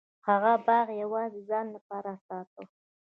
هغه باغ یوازې د ځان لپاره ساته.